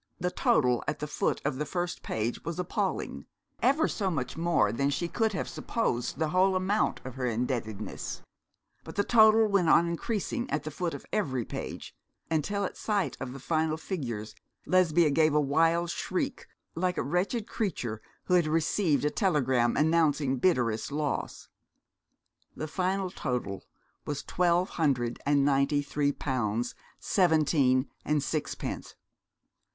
The total at the foot of the first page was appalling, ever so much more than she could have supposed the whole amount of her indebtedness; but the total went on increasing at the foot of every page, until at sight of the final figures Lesbia gave a wild shriek, like a wretched creature who has received a telegram announcing bitterest loss. The final total was twelve hundred and ninety three pounds seventeen and sixpence!